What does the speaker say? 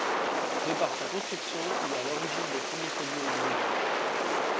De par sa construction, il est à l’origine des premiers faubourgs du village.